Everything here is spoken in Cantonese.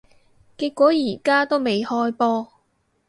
結果而家都未開波